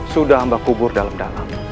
sudah hamba kubur dalam dalam